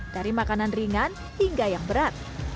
dari makanan ringan hingga yang berat